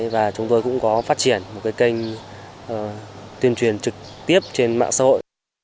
và chúng tôi cũng có phát triển một cái kênh tuyên truyền trực tiếp trên mạng xã hội